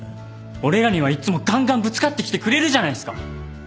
俺らにはいっつもガンガンぶつかってきてくれるじゃないっすか。